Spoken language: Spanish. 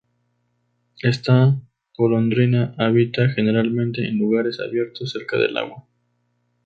Esta golondrina habita generalmente en lugares abiertos, cerca del agua.